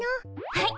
はい！